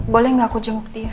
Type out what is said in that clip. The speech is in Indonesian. boleh gak aku jenguk dia